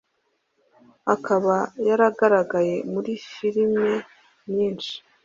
akaba yaragagaye muri filime nyinshi